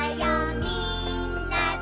みんなで」